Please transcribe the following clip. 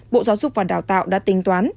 bộ giáo dục và đào tạo đã tính toán